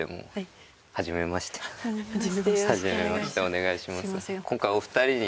はじめましてお願いします。